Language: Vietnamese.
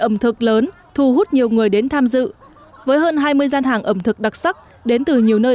ẩm thực lớn thu hút nhiều người đến tham dự với hơn hai mươi gian hàng ẩm thực đặc sắc đến từ nhiều nơi